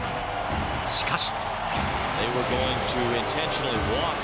しかし。